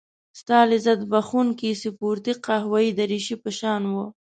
ستا لذت بخښونکې سپورتي قهوه يي دريشي په ځان وه.